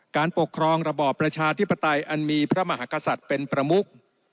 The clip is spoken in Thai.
การปกครองระบอบประชาธิปไตยอันมีพระมหากษัตริย์เป็นประมุก